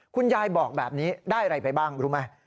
คุณยายบอกแบบนี้ได้อะไรไปบ้างรู้ไหม